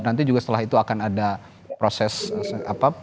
nanti juga setelah itu akan ada proses penyelesaian sekitar pemilu di kpu